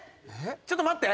ちょっと待って！